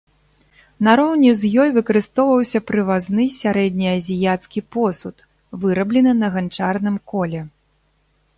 Нароўні з ёй выкарыстоўваўся прывазны сярэднеазіяцкі посуд, выраблены на ганчарным коле.